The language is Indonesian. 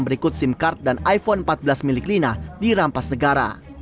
berikut sim card dan iphone empat belas milik lina dirampas negara